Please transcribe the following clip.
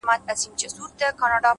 زړه سوي عملونه ژور اغېز لري,